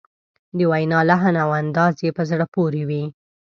د وینا لحن او انداز یې په زړه پورې وي.